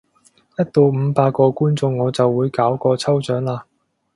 一到五百個觀眾我就會搞個抽獎喇！